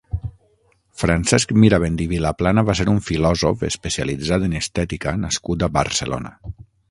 Francesc Mirabent i Vilaplana va ser un filòsof especialitzat en estètica nascut a Barcelona.